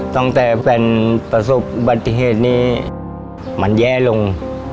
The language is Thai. ตั้งแต่แฟนประสบบัติเหตุนี้มันแย่ลง